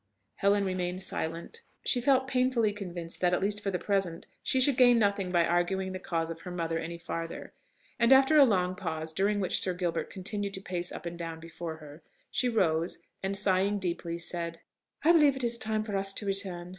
Helen remained silent. She felt painfully convinced that, at least for the present, she should gain nothing by arguing the cause of her mother any farther; and after a long pause, during which Sir Gilbert continued to pace up and down before her, she rose, and sighing deeply, said, "I believe it is time for us to return.